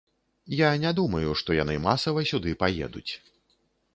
Я не думаю, што яны масава сюды паедуць.